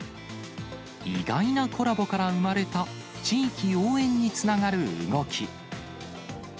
意外なコラボから生まれた、地域応援につながる動き。